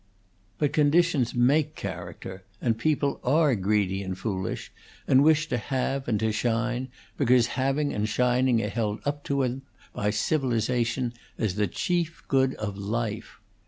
But conditions make character; and people are greedy and foolish, and wish to have and to shine, because having and shining are held up to them by civilization as the chief good of life.